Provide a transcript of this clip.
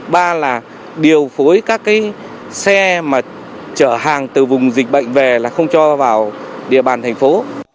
ba là điều phối các xe mà chở hàng từ vùng dịch bệnh về là không cho vào địa bàn thành phố